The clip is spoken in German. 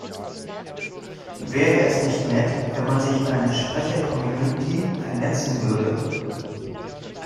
Wäre es nicht nett, wenn man sich in einer Sprechercommunity vernetzen würde?